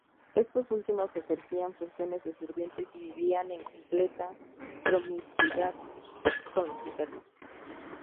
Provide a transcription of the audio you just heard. Estos últimos ejercían funciones de sirvientes y vivían en completa promiscuidad con los "internos".